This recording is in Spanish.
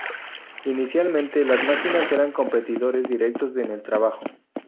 Inicialmente, las máquinas eran competidores directos en el trabajo.